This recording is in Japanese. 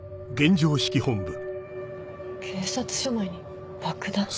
警察署内に爆弾？